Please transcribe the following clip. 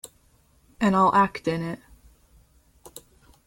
And I'll act in it.